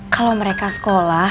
kalau mereka sekolah